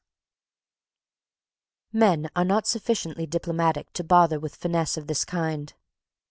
Men are not sufficiently diplomatic to bother with finesse of this kind.